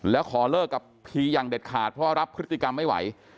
แล้วขอเลิกกับพีอย่างเด็ดขาดเพราะรับพฤติกรรมไม่ไหว